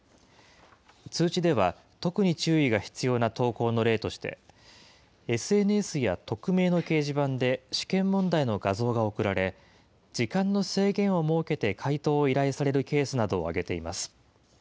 通知では、特に注意が必要な投稿の例として、ＳＮＳや匿名の掲示板で、試験問題の画像が送られ、時間の制限を設けて解答を依頼されるケースなどを挙げています。